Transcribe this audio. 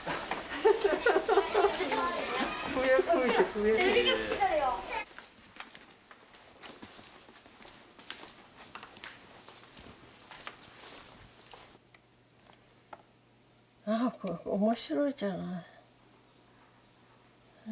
あこれ面白いじゃない。